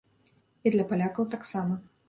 І для палякаў таксама.